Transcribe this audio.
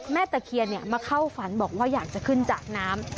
ตะเคียนมาเข้าฝันบอกว่าอยากจะขึ้นจากน้ำ